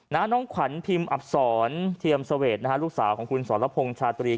น้องขวัญพิมพ์อับศรเทียมเสวดนะฮะลูกสาวของคุณสรพงษ์ชาตรี